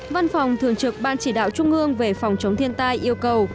văn phòng thường trực ban chỉ đạo trung ương về phòng chống thiên tai yêu cầu